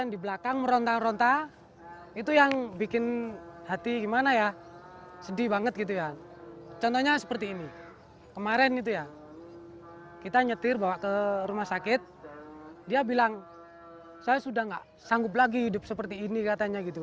dia bilang saya sudah tidak sanggup lagi hidup seperti ini katanya gitu